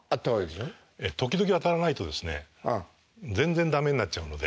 ええ時々当たらないとですね全然駄目になっちゃうので。